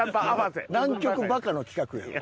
南極バカの企画やん。